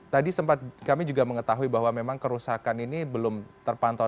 tadi sempat kami juga mengetahui bahwa memang kerusakan ini belum terpantau